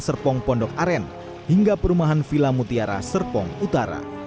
serpong pondok aren hingga perumahan villa mutiara serpong utara